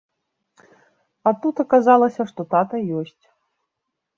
А тут аказалася, што тата ёсць.